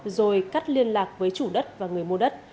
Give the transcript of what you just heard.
rồi cắt liên lạc với chủ đất và người mua đất